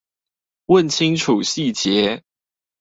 問清楚細節